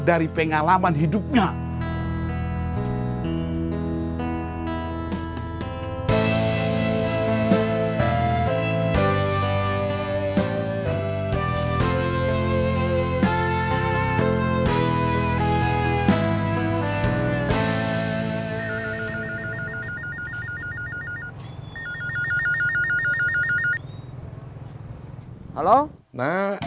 dari pengalaman hidupnya